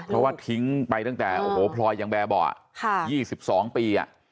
เพราะว่าทิ้งไปตั้งแต่พลอยยังแบบอ่ะ๒๒ปีอ่ะ